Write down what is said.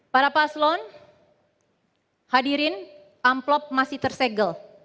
para paslon hadirin amplop masih tersegel